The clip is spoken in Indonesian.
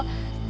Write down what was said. aku mau kemana